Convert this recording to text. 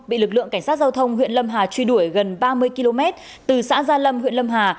bị lực lượng cảnh sát giao thông huyện lâm hà truy đuổi gần ba mươi km từ xã gia lâm huyện lâm hà